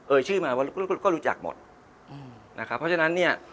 ชื่อมาว่าก็รู้จักหมดอืมนะครับเพราะฉะนั้นเนี่ย